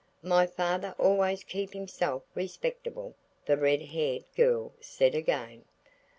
"My father always kep' hisself respectable," the red haired girl said again.